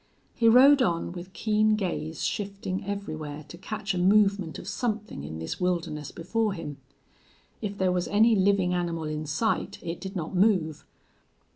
He rode on, with keen gaze shifting everywhere to catch a movement of something in this wilderness before him. If there was any living animal in sight it did not move.